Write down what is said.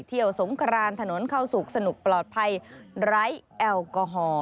สงครานถนนเข้าสู่สนุกปลอดภัยไร้แอลกอฮอล์